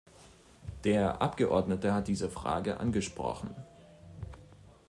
Der Abgeordnete hat diese Frage angesprochen.